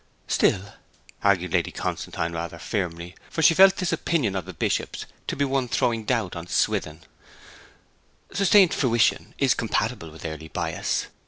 'Still,' argued Lady Constantine rather firmly (for she felt this opinion of the Bishop's to be one throwing doubt on Swithin), 'sustained fruition is compatible with early bias.